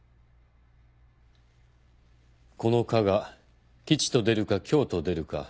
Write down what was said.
この卦が吉と出るか凶と出るか